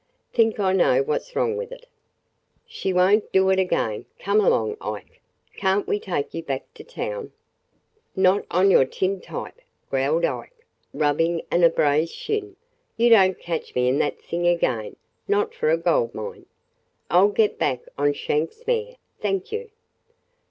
Think I know what 's wrong with it. She won't do it again. Come along, Ike. Can't we take you back to town?" "Not on your tintype!" growled Ike, rubbing an abrased shin. "You don't catch me in that thing again; not for a gold mine. I 'll get back on Shank's mare, thank you!"